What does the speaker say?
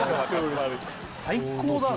最高だな